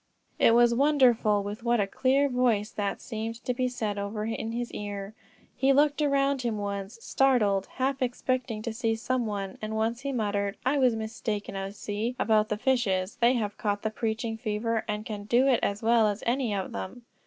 It was wonderful with what a clear voice that seemed to be said over in his ear. He looked around him once, startled, half expecting to see some one, and once he muttered: "I was mistaken, I see, about the fishes; they have caught the preaching fever, and can do it as well as any of them."